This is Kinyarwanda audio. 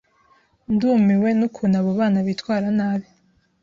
Ndumiwe nukuntu abo bana bitwara nabi.